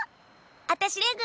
あたしレグ。